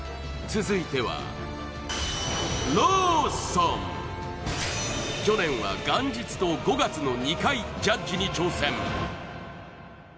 続いては去年は元旦と５月の２回ジャッジに挑戦！